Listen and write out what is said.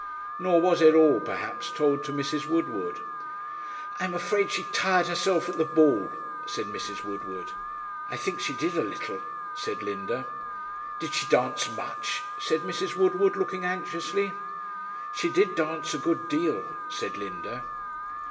Nor was it all, perhaps, told to Mrs. Woodward. 'I'm afraid she tired herself at the ball,' said Mrs. Woodward. 'I think she did a little,' said Linda. 'Did she dance much?' said Mrs. Woodward, looking anxiously. 'She did dance a good deal,' said Linda.